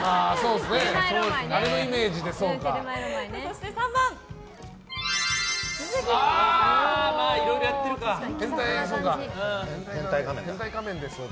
あのイメージで、そうか。